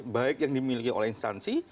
baik yang dimiliki oleh instansi